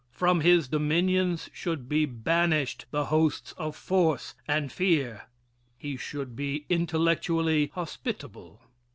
From his dominions should be banished the hosts of force and fear. He Should be Intellectually Hospitable.